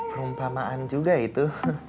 perumpamaan juga itu